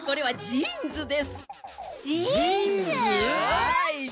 はい。